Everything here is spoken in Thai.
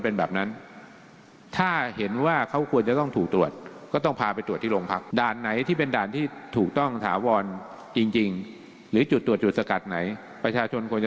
ประชาชนควรจะต้องรู้ว่า